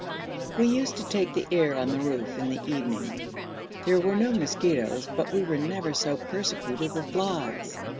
We used to take the air on the roof in the evening; there were no mosquitos, but we were never so persecuted with flies.